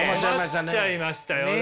困っちゃいましたよ。